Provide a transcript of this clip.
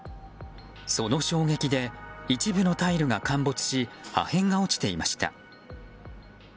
その衝撃で一部のタイルが陥没し破片が落ちていました。